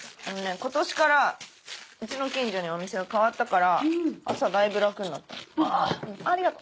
今年から家の近所にお店が変わったから朝だいぶ楽になったのありがとう。